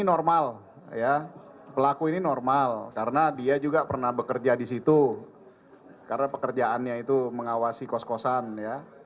ini normal ya pelaku ini normal karena dia juga pernah bekerja di situ karena pekerjaannya itu mengawasi kos kosan ya